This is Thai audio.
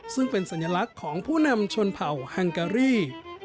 ซึ่งเป็นสัญลักษณ์ของผู้นำชนเผ่าฮังการี